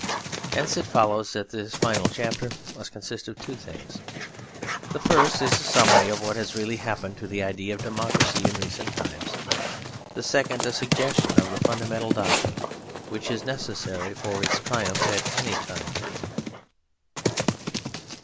Hence it follows that this final chapter must consist of two things. The first is a summary of what has really happened to the idea of democracy in recent times; the second a suggestion of the fundamental doctrine which is necessary for its triumph at any time.